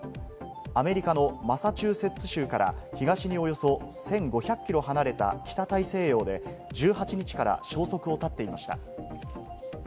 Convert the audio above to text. アメリカのマサチューセッツ州から東におよそ１５００キロ離れた北大西洋で１８日から消息を絶っていました。